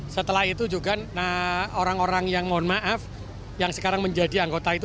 setelah itu juga orang orang yang mohon maaf yang sekarang menjadi anggota itu